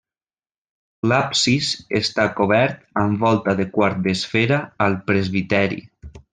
L'absis està cobert amb volta de quart d'esfera al presbiteri.